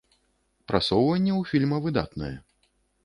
Прасоўванне ў фільма выдатнае.